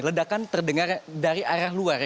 ledakan terdengar dari arah luar